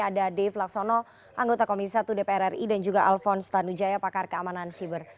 ada dave laksono anggota komisi satu dpr ri dan juga alfons tanujaya pakar keamanan siber